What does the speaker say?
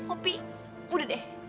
oh pih udah deh